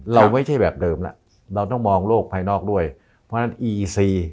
เราไม่ใช่แบบเดิมแล้วเราต้องมองโลกภายนอกด้วยเพราะฉะนั้นอีอีซี